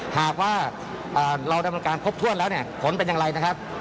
หากว่าเราดำเนินการครบถ้วนแล้วเนี่ยผลเป็นอย่างไรนะครับ